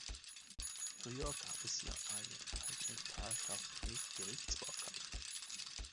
Früher gab es hier eine eigene Talschaft mit Gerichtsbarkeit.